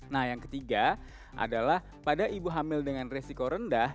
nah yang ketiga adalah pada ibu hamil dengan resiko rendah